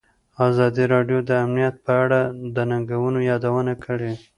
ازادي راډیو د امنیت په اړه د ننګونو یادونه کړې.